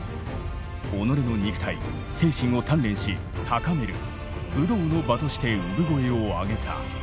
己の肉体・精神を鍛練し高める武道の場として産声を上げた。